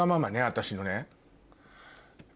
私のね。